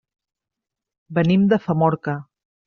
Venim de Famorca.